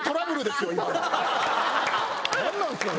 何なんすか？